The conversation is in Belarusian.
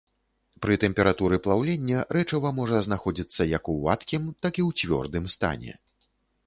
Пры тэмпературы плаўлення рэчыва можа знаходзіцца як у вадкім, так і ў цвёрдым стане.